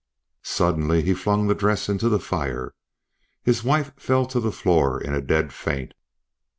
Suddenly he flung the dress into the fire. His wife fell to the floor in a dead faint.